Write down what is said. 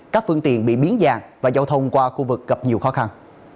các phương tiện bị biến dạng và giao thông qua khu vực gặp nhiều khó khăn